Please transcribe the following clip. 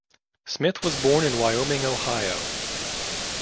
Smith was born in Wyoming, Ohio.